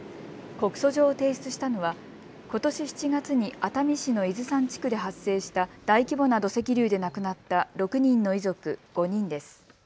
告訴状を提出したのはことし７月に熱海市の伊豆山地区で発生した大規模な土石流で亡くなった６人の遺族５人です。